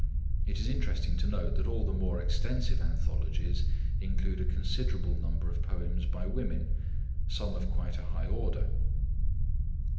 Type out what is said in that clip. It is interesting to note that all the more extensive anthologies include a considerable number of poems by women, some of quite a high order.